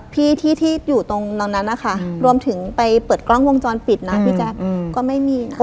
พี่ที่อยู่ตรงนั้นนะคะรวมถึงไปเปิดกล้องวงจรปิดนะพี่แจ๊คก็ไม่มีนะคะ